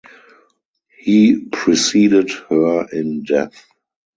He preceded her in death.